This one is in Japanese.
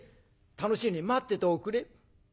楽しみに待ってておくれ」。